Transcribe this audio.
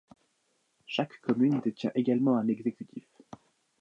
Chaque commune détient également un exécutif.